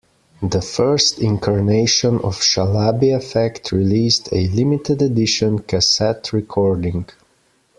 The first incarnation of Shalabi Effect released a limited edition cassette recording.